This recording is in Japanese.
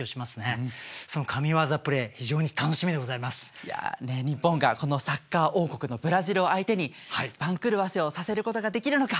いや日本がこのサッカー王国のブラジルを相手に番狂わせをさせることができるのか。